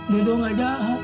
belum aja ha